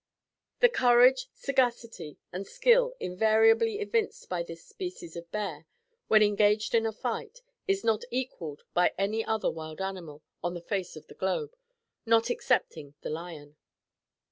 The courage, sagacity and skill invariably evinced by this species of bear, when engaged in a fight, is not equaled by any other wild animal on the face of the globe, not excepting the lion.